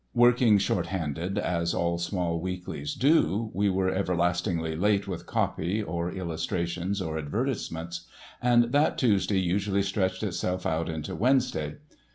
Working short handed, as all small weeklies do, we were everlastingly late with copy or illustrations or advertisements; and that Tuesday usually stretched itself out into Wednesday.